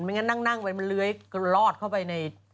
งั้นนั่งไปมันเลื้อยลอดเข้าไปใน